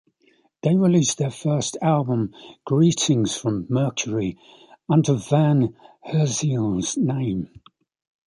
They released their first album, "Greetings From Mercury", under Van Herzeele's name.